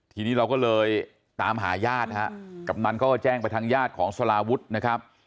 ทีนี้เราก็เลยตามหาญาตินะฮะกำนันก็แจ้งไปทางญาติของสลาวุฒินะครับ